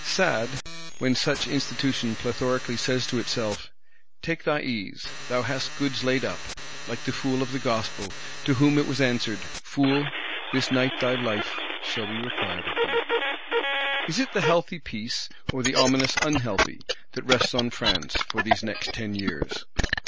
Sad, when such Institution plethorically says to itself, Take thy ease, thou hast goods laid up;—like the fool of the Gospel, to whom it was answered, Fool, this night thy life shall be required of thee! Is it the healthy peace, or the ominous unhealthy, that rests on France, for these next Ten Years?